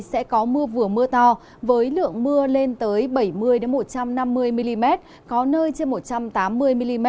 sẽ có mưa vừa mưa to với lượng mưa lên tới bảy mươi một trăm năm mươi mm có nơi trên một trăm tám mươi mm